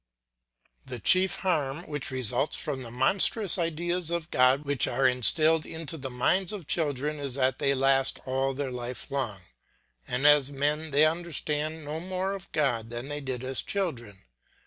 '" The chief harm which results from the monstrous ideas of God which are instilled into the minds of children is that they last all their life long, and as men they understand no more of God than they did as children.